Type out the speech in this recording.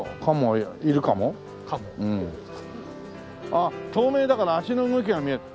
あっ透明だから足の動きが見える。